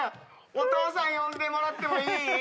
お父さん呼んでもらってもいい？